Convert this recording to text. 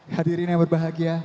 hadirin yang berbahagia